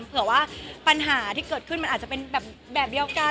เผื่อว่าปัญหาที่เกิดขึ้นมันอาจจะเป็นแบบเดียวกัน